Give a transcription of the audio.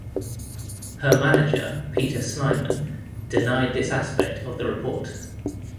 Her manager, Peter Snyman, denied this aspect of the report.